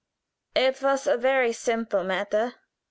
"It was a very simple matter.